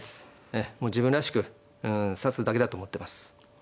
ええもう自分らしく指すだけだと思ってます。